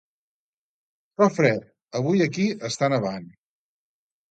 Fa fred, avui aquí està nevant.